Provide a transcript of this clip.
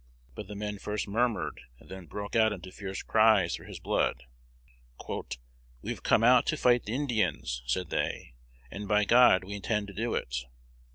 But the men first murmured, and then broke out into fierce cries for his blood. "We have come out to fight the Indians," said they, "and by God we intend to do it!"